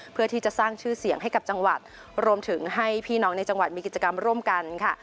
เพื่อที่จะสร้างชื่อเสียงให้กับจังหวัดรวมถึงให้พี่น้องในจังหวัดมีกิจกรรมร่วมกันค่ะ